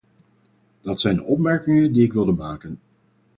Dat zijn de opmerkingen die ik wilde maken.